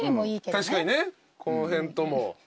確かにねこの辺とも。